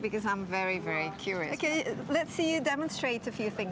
bisa kita lihat beberapa hal ini